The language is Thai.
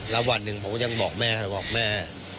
แล้ววันหนึ่งผมก็ยังบอกแม่เลยบอกแม่